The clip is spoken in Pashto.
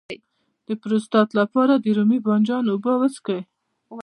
د پروستات لپاره د رومي بانجان اوبه وڅښئ